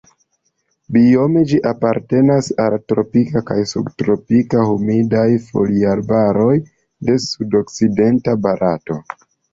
Biome ĝi apartenas al tropikaj kaj subtropikaj humidaj foliarbaroj de sudokcidenta Barato.